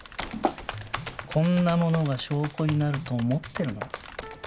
こんな物が証拠になると思ってるの？